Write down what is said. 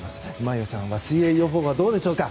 眞家さんは水泳予報はどうでしょうか？